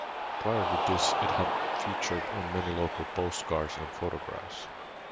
Prior to this it had featured on many local postcards and photographs.